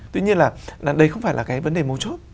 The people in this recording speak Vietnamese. tuy nhiên là đây không phải là cái vấn đề mấu chốt